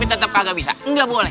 eh tapi tetap kagak bisa nggak boleh